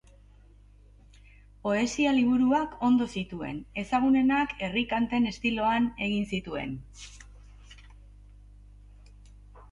Poesia-liburuak ondu zituen; ezagunenak herri-kanten estiloan egin zituen.